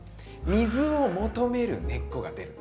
水を求める根っこが出る。